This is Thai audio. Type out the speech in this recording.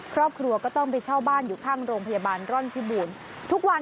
ครอบครัวก็ต้องไปเช่าบ้านอยู่ข้างโรงพยาบาลร่อนพิบูรณ์ทุกวัน